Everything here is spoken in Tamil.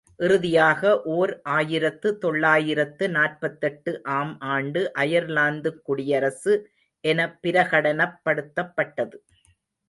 இறுதியாக ஓர் ஆயிரத்து தொள்ளாயிரத்து நாற்பத்தெட்டு ஆம் ஆண்டு அயர்லாந்துக் குடியரசு என பிரகடனப்படுத்தப் பட்டது.